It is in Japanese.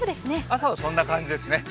朝はそんな感じですね。